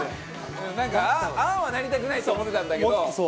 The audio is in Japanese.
なんかああはなりたくないって思ってたんだけど。